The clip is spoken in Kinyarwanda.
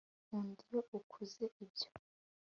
nkunda iyo ukoze ibyo